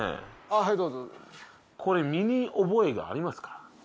はいどうぞこれ身に覚えがありますか？